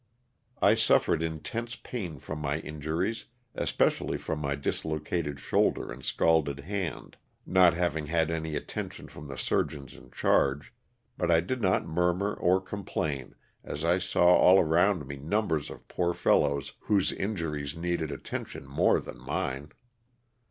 I suffered 132 LOSS OF THE SULTANA. intense pain from my injuries, especially from my dis located shoulder and scalded hand, not having had any attention from the surgeons in charge, but I did not murmur or complain, as I saw all around me numbers of poor fellows whose injuries needed attention more than mine.